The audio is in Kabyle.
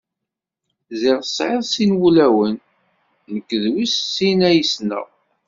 Ziɣ tesɛiḍ sin n wulawen, nekk d wis sin ay ssneɣ.